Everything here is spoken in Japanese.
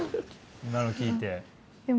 今の聞いて。